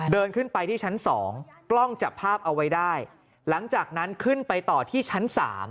เดินขึ้นไปที่ชั้น๒กล้องจับภาพเอาไว้ได้หลังจากนั้นขึ้นไปต่อที่ชั้น๓